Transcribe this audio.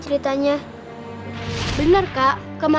berst ganz hal bistri apa apa